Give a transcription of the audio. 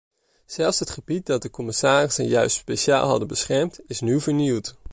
Zelfs het gebied dat de commissarissen juist speciaal hadden beschermd, is nu vernield.